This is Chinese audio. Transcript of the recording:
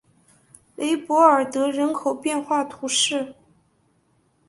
雷博尔德人口变化图示